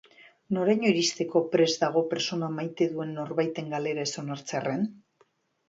Noraino iristeko prest dago pertsona maite duen norbaiten galera ez onartzearren?